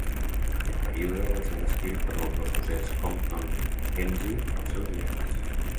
Aquest període va ser descrit per l'autor escocès Compton Mackenzie als seus diaris.